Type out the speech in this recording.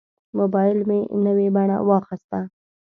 موبایل مې نوې بڼه واخیسته.